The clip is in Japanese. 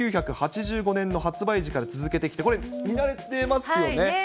１９８５年の発売時から続けてきて、これ、見慣れてますよね。